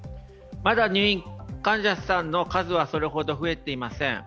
まだ入院患者さんの数はそれほど増えていません。